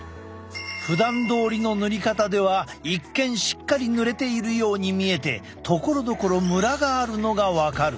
ふだんどおりの塗り方では一見しっかり塗れているように見えてところどころムラがあるのが分かる。